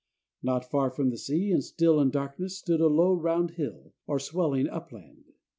Not far from the sea, and still in darkness, stood a low, round hill, or swelling upland.